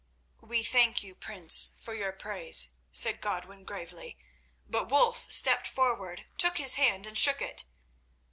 "We thank you, Prince, for your praise," said Godwin gravely, but Wulf stepped forward, took his hand, and shook it.